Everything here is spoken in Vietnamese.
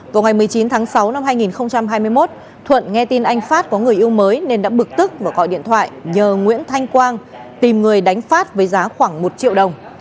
vào ngày một mươi chín tháng sáu năm hai nghìn hai mươi một thuận nghe tin anh phát có người yêu mới nên đã bực tức và gọi điện thoại nhờ nguyễn thanh quang tìm người đánh phát với giá khoảng một triệu đồng